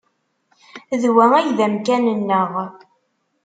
D wa ay d amkan-nneɣ.